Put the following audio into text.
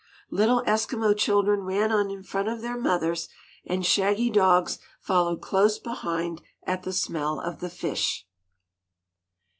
Little Eskimo children ran on in front of their mothers, and shaggy dogs followed close behind at the smell of the fish.